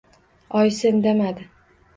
Oyisi indamadi